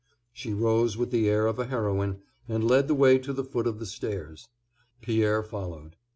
She rose with the air of a heroine, and led the way to the foot of the stairs. Pierre followed.